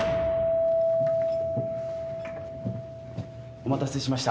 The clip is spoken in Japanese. ・お待たせしました。